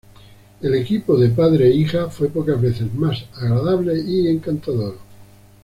El equipo de padre e hija fue pocas veces más agradable y encantador.